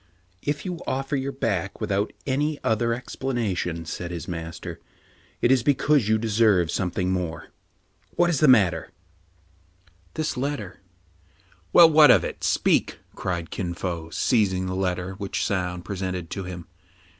" If you offer your back without any other ex planation, said his master, "it is because you de serve something more. What is the matter }"" This letter." " Well, what of it ? Speak !cried Kin Fo, seiz ing the letter which Soun presented to him.